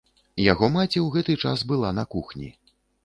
Яго маці ў гэты час была на кухні.